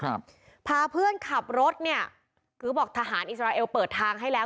พาเพื่อนขับรถเนี่ยคือบอกทหารอิสราเอลเปิดทางให้แล้ว